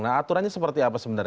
nah aturannya seperti apa sebenarnya